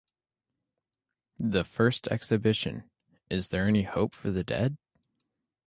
The first exhibition, Is there any hope for the dead?